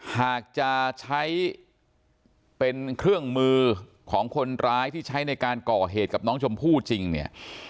หากจะใช้เป็นเครื่องมือของคนร้ายที่ใช้ในการก่อเหตุกับน้องชมพู่จริงเนี่ย